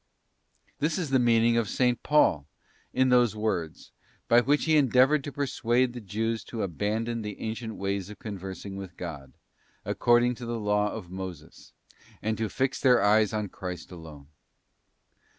This is the meaning of S. Paul in those words, by which he endeavoured to persuade the Jews to abandon the ancient ways of conversing with God, according to the Law of Moses, and to fix their eyes on Christ alone.